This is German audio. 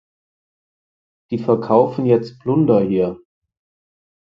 Die verkaufen jetzt Plunder hier.